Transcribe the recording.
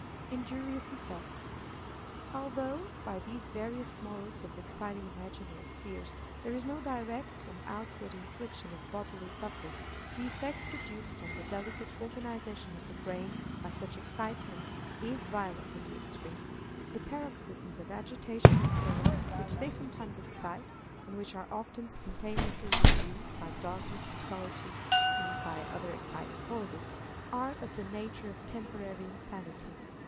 Injurious Effects. Although, by these various modes of exciting imaginary fears, there is no direct and outward infliction of bodily suffering, the effect produced on the delicate organization of the brain by such excitements is violent in the extreme. The paroxysms of agitation and terror which they sometimes excite, and which are often spontaneously renewed by darkness and solitude, and by other exciting causes, are of the nature of temporary insanity.